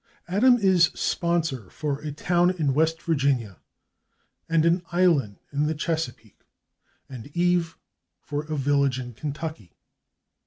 /Adam/ is sponsor for a town in West Virginia and an island in the Chesapeake, and /Eve/ for a village in Kentucky.